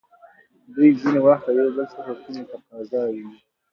دوی ځینې وخت له یو بل څخه کومې تقاضاوې